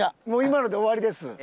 もう今ので終わりです。